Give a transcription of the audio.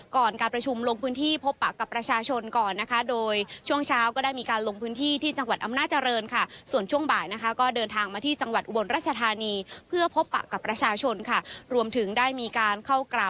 ก่อนที่จะมีการประชุมคอลโรมองศ์สำเจอนอกสถานที่ที่จะมีขึ้นในวันพรุ่งนี้นะคะ